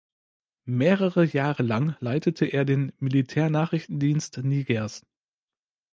Mehrere Jahre lang leitete er den Militärnachrichtendienst Nigers.